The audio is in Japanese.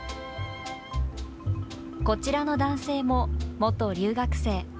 こちらの男性も元留学生。